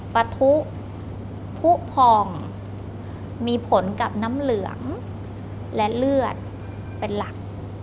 ปะทุผู้พองมีผลกับน้ำเหลืองและเลือดเป็นหลัก